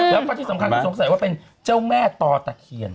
แล้วก็ที่สำคัญก็สงสัยว่าเป็นเจ้าแม่ต่อตะเคียน